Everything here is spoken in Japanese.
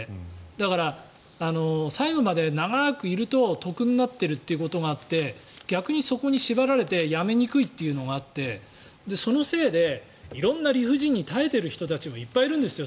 だから、最後まで長くいると得になっているということがあって逆にそこに縛られて辞めにくいっていうのがあってそのせいで色んな理不尽に耐えている人たちもいっぱいいるんですよ